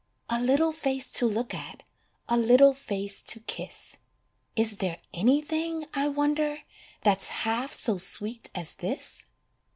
A little face to look at, A little face to kiss; Is there anything, I wonder, That's half so sweet as this?